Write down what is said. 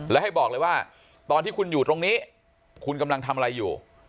และให้บอกเลยว่าตอนที่คุณอยู่ตรงนี้คุณกำลังทำอะไรอยู่